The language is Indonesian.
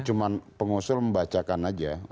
cuma pengusul membacakan aja